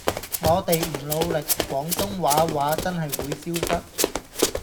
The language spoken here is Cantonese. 我地唔努力廣東話話真係會消失